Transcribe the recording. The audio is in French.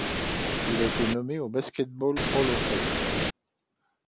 Il a été nommé au Basketball Hall of Fame.